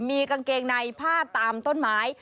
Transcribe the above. มีกางเกงในผ้าตามต้นไม้